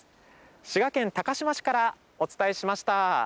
滋賀県高島市からお伝えしました。